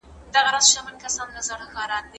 هغه سړی چي مړ ږدن ډنډ ته نږدې ګڼي، ناپوه دی.